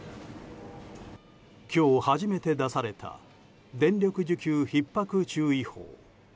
今日初めて出された電力需給ひっ迫注意報。